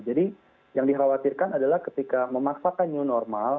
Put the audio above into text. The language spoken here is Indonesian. jadi yang dikhawatirkan adalah ketika memasakkan new normal